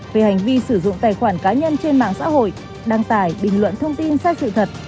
về hành vi sử dụng tài khoản cá nhân trên mạng xã hội đăng tải bình luận thông tin sai sự thật